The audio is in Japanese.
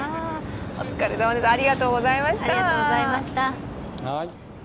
お疲れさまです、ありがとうございました。